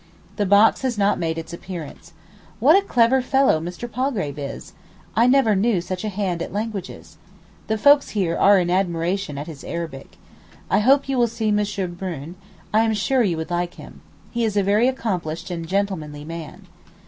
The box has not made its appearance. What a clever fellow Mr. Palgrave is! I never knew such a hand at languages. The folks here are in admiration at his Arabic. I hope you will see M. Brune. I am sure you would like him. He is a very accomplished and gentlemanly man.